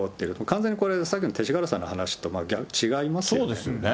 完全にこれ、さっきの勅使河原さんの話と違いますよね。